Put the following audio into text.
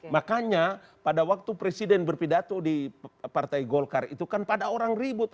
makanya pada waktu presiden berpidato di partai golkar itu kan pada orang ribut